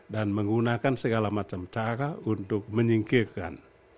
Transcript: dan menggunakan segala macam cara untuk menyingkirkan